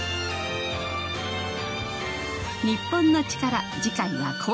『日本のチカラ』次回は高知県。